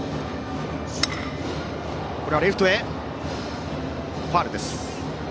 レフトへ、ファウルです。